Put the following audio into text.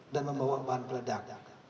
dan membawa bahan peledak